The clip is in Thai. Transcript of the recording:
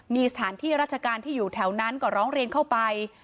มีสถานที่ราชการที่อยู่แถวนั้นก็ร้องเรียนเข้าไป